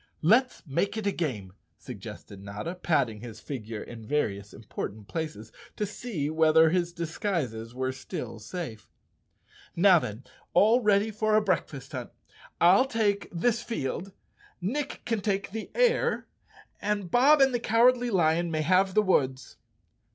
"Let's make it a game," suggested Notta, patting his figure in various important places to see whether his disguises were still safe. " Now then, all ready for a breakfast hunt. I'll take this field, Nick can take the air and Bob and the Cowardly Lion may have the woods."